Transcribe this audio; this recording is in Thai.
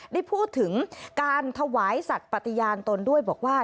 ได้พูดถึงการถวายสัตว์ปฏิญาณตนด้วยบอกว่า